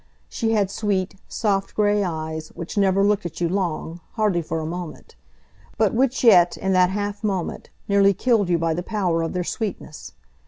She had sweet, soft grey eyes, which never looked at you long, hardly for a moment, but which yet, in that half moment, nearly killed you by the power of their sweetness.